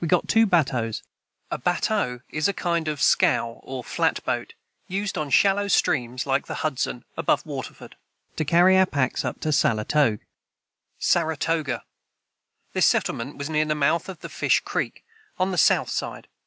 [Footnote 23: A batteau is a kind of scow or flat boat, used on shallow streams like the Hudson above Waterford.] [Footnote 24: Saratoga. This settlement was near the mouth of the Fish creek, on the south side.